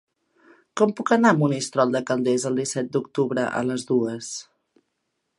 Com puc anar a Monistrol de Calders el disset d'octubre a les dues?